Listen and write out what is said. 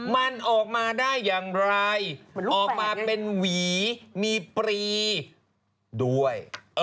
มันออกมาได้อย่างไรออกมาเป็นหวีมีปรีด้วย